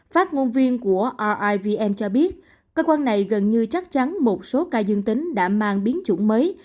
phát ngôn viên của rivm cho biết cơ quan này gần như chắc chắn một số ca dương tính đã mang biến chủng mới